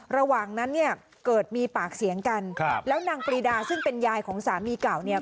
ระหว่างนั้นเนี่ยเกิดมีปากเสียงกันครับแล้วนางปรีดาซึ่งเป็นยายของสามีเก่าเนี่ย